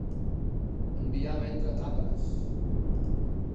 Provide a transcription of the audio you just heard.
Enviar a vendre tàperes.